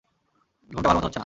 ঘুমটা ভালোমতো হচ্ছে না।